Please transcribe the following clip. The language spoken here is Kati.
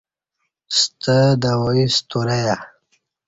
ستہ دوای سترہ یہ